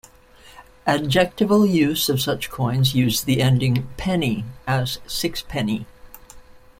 Adjectival use of such coins used the ending -penny, as "sixpenny".